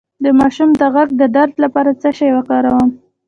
د ماشوم د غوږ د درد لپاره څه شی وکاروم؟